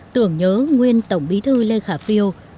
tưởng nhớ nguyên tổng bí thư lê khả phiêu